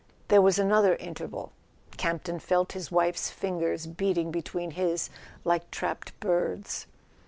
There was another interval; Campton felt his wife's fingers beating between his like trapped birds.